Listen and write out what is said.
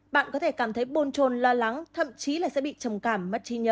bạn có thể cảm thấy bôn trồn lo lắng thậm chí là sẽ bị trầm cảm mất trí nhớ